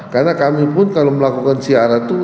karena kami pun kalau melakukan siaran misalnya bikin muraf